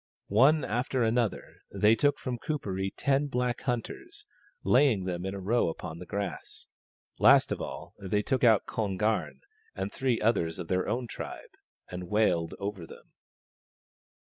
One after another, they took from Kuperee ten black hunters, laying them in a row upon the grass. Last of all they took out Kon garn and three others of their own tribe, and they wailed over them.